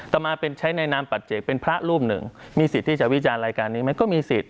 ต่อมาเป็นใช้ในนามปัจเจกเป็นพระรูปหนึ่งมีสิทธิ์ที่จะวิจารณ์รายการนี้ไหมก็มีสิทธิ